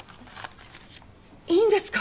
いいんですか？